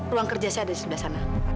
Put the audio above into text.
ruang kerja saya ada di sebelah sana